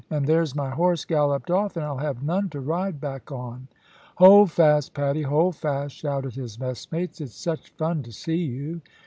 "And there's my horse galloped off, and I'll have none to ride back on." "Hold fast, Paddy! hold fast!" shouted his messmates, "it's such fun to see you."